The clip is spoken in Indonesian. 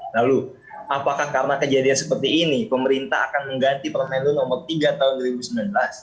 lalu apakah karena kejadian seperti ini pemerintah akan mengganti permen lu nomor tiga tahun dua ribu sembilan belas